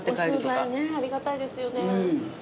お総菜ねありがたいですよね。